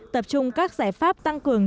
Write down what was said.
tập trung các giải pháp tăng cường